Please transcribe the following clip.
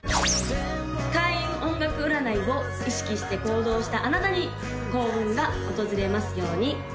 開運音楽占いを意識して行動したあなたに幸運が訪れますように！